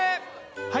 はい。